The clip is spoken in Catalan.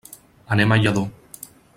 Anem a Lladó.